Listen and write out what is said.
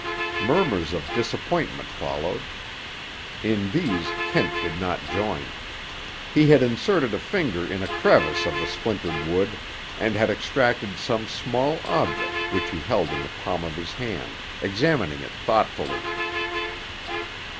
Murmurs of disappointment followed. In these Kent did not join. He had inserted a finger in a crevice of the splintered wood and had extracted some small object which he held in the palm of his hand, examining it thoughtfully.